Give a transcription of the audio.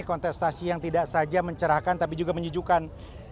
kontestasi yang tidak saja mencerahkan tapi juga menyejukkan